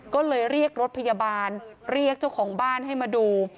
ก็เลยเรียกรถพยาบาลเรียกเจ้าของบ้านให้มาดู